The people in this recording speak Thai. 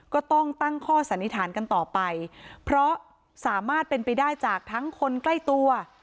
ก็ต้องตั้งข้อสันนิษฐานกันต่อไปเพราะสามารถเป็นไปได้จากทั้งคนใกล้ตัว